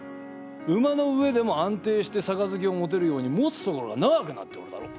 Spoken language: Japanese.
馬の上でも安定してさかずきを持てるように持つところが長くなっておるだろ？